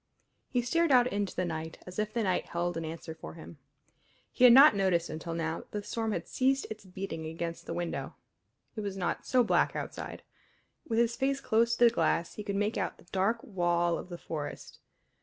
He stared out into the night, as if that night held an answer for him. He had not noticed until now that the storm had ceased its beating against the window. It was not so black outside. With his face close to the glass he could make out the dark wall of the forest.